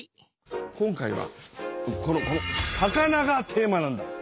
今回はこのこの「魚」がテーマなんだ。